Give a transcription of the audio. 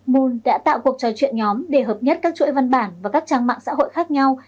moon đã tạo cuộc trò chuyện nhóm để hợp nhất các chuỗi văn bản và các trang mạng xã hội khác nhau